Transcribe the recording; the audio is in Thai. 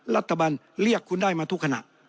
รัฐบาลเรียกคุณได้มาทุกขณะ